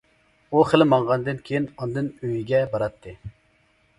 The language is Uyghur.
ئۇ خېلى ماڭغاندىن كىيىن ئاندىن ئۆيىگە باراتتى.